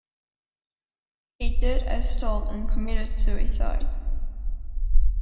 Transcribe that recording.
He did as told and committed suicide.